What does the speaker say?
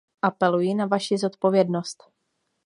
Apeluji na vaši zodpovědnost.